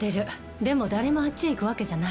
でも誰もあっちへ行くわけじゃない。